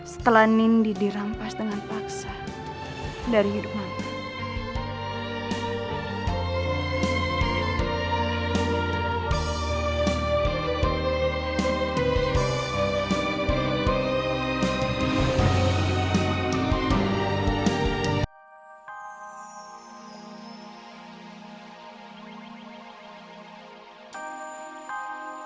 setelah nindi dirampas dengan paksa dari hidup mama